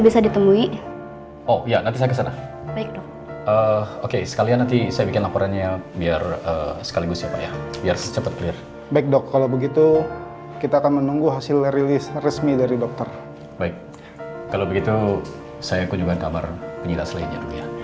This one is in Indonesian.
baik kalau begitu saya kunjungkan kamar penyilas lainnya